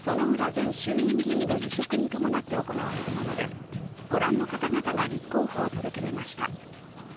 前衆院議員の辞職に伴って行われるもので、ご覧の方々が立候補を届け出ました。